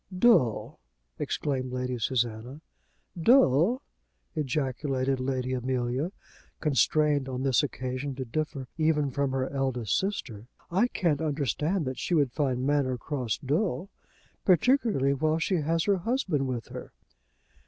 "Dull!" exclaimed Lady Susanna. "Dull!" ejaculated Lady Amelia, constrained on this occasion to differ even from her eldest sister. "I can't understand that she should find Manor Cross dull, particularly while she has her husband with her."